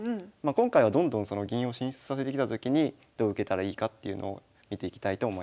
今回はどんどんその銀を進出させてきたときにどう受けたらいいかっていうのを見ていきたいと思います。